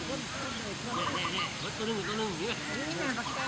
คำคุ้นดีกว่า